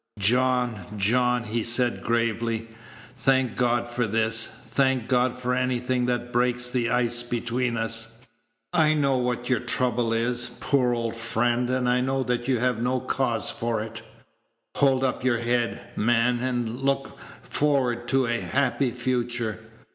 "John, John," he said gravely, "thank God for this; thank God for anything that breaks the ice between us. I know what your trouble is, poor old friend, and I know that you have no cause for it. Hold up your head, man, and look forward to a happy future.